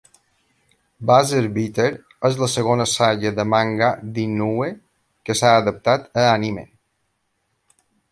"Buzzer Beater" és la segona saga de manga d'Inoue que s'ha adaptat a anime.